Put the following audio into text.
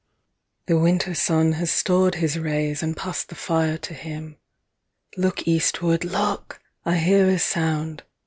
MARY The winter sun has stored his rays, And passed the fire to him. Look Eastward, look! I hear a sound.